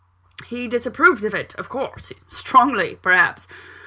"He disapproves of it, of course strongly, perhaps.